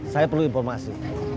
saya perlu informasi